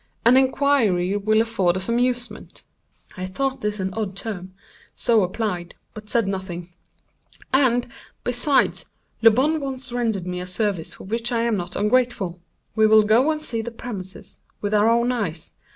An inquiry will afford us amusement," [I thought this an odd term, so applied, but said nothing] "and, besides, Le Bon once rendered me a service for which I am not ungrateful. We will go and see the premises with our own eyes.